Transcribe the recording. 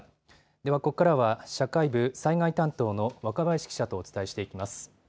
では、ここから社会部災害担当の若林記者とお伝えしていきます。